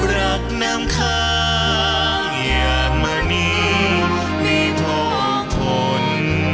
รักน้ำคางอย่ามะนิในโทษทน